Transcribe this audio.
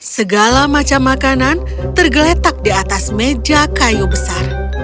segala macam makanan tergeletak di atas meja kayu besar